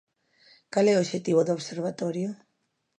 Cal é o obxectivo do Observatorio?